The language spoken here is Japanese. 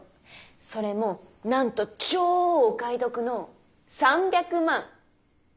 それもなんと超お買い得の３００万。